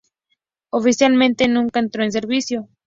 Oficialmente nunca entró en servicio.